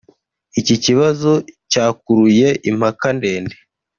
Iki kibazo cyakuruye impaka ndende